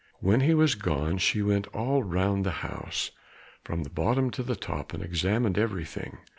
When he was gone, she went all round the house from the bottom to the top, and examined everything.